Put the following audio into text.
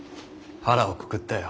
腹をくくったよ。